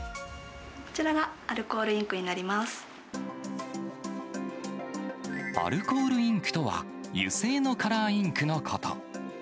こちらがアルコールインクにアルコールインクとは、油性のカラーインクのこと。